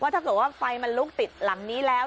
ถ้าเกิดว่าไฟมันลุกติดหลังนี้แล้ว